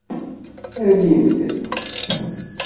Alimt-t.